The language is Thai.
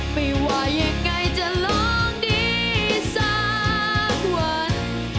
ไม่ว่ายังไงจะลองดีสักวัน